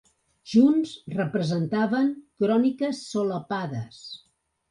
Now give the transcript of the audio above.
Junts representaven cròniques solapades.